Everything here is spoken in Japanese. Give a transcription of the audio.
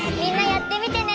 やってみてね！